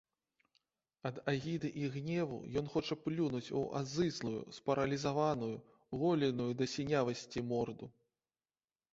Ад агіды і гневу ён хоча плюнуць у азызлую, спаралізаваную, голеную да сінявасці морду.